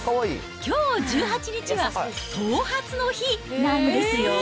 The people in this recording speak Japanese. きょう１８日は頭髪の日なんですよ。